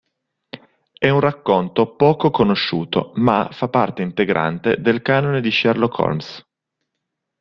È un racconto poco conosciuto, ma fa parte integrante del canone di Sherlock Holmes.